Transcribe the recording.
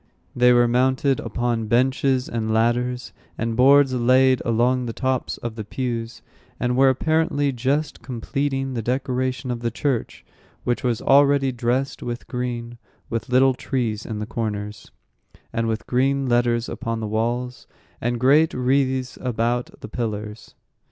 They were mounted upon benches and ladders, and boards laid along the tops of the pews, and were apparently just completing the decoration of the church, which was already dressed with green, with little trees in the corners, and with green letters upon the walls, and great wreaths about the pillars.